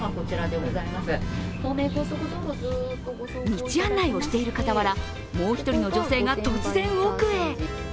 道案内をしているかたわらもう１人の女性が突然、奥へ。